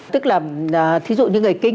tức là thí dụ như người kinh